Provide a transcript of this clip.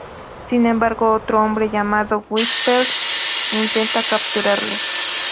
Sin embargo, otro hombre llamado "Whispers" intenta capturarlos.